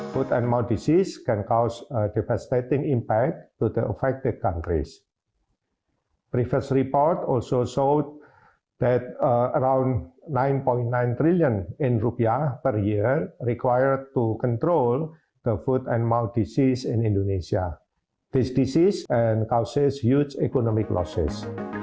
pemerintah kemudian melakukan sejumlah tracing dan menemukan adanya infeksi serupa di kawasan aceh tanmiang